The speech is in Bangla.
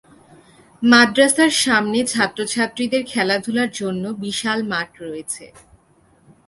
মাদ্রাসার সামনে ছাত্র-ছাত্রীদের খেলাধুলার জন্য বিশাল মাঠ রয়েছে।